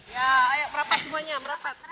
ya ayo berapa semuanya merapat